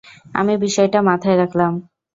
আমি বিষয়টা মাথায় রাখলাম।